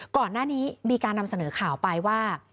ก่อนหน้านี้มีการนำเสนอข่าวไปว่า